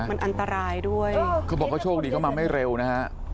มันอันตรายด้วยเขาบอกเขาโชคดีเขามาไม่เร็วนะฮะ